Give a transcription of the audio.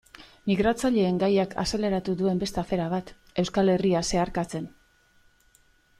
Migratzaileen gaiak azaleratu duen beste afera bat, Euskal Herria zeharkatzen.